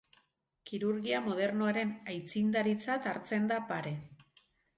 Kirurgia modernoaren aitzindaritzat hartzen da Pare.